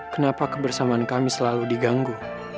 kenapa kebersamaan kami selalu diganggu